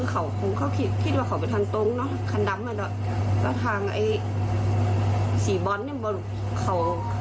เขาที่จริงเขาต้องหยุดเนอะชะล้อบ้างอย่างเงี้ยเขาจะพอกันเนอะ